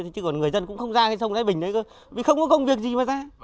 chứ còn người dân cũng không ra cái sông thái bình đấy cơ vì không có công việc gì mà ra